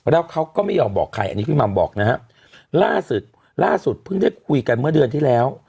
แล้วเขาก็ไม่ยอมบอกใครอันนี้พี่มัมบอกนะฮะล่าสุดล่าสุดเพิ่งได้คุยกันเมื่อเดือนที่แล้ว